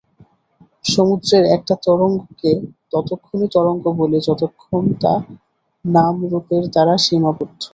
সমুদ্রের একটা তরঙ্গকে ততক্ষণই তরঙ্গ বলি, যতক্ষণ তা নাম-রূপের দ্বারা সীমাবদ্ধ।